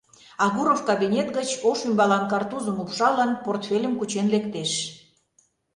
Агуров кабинет гыч, ош ӱмбалан картузым упшалын, портфельым кучен лектеш.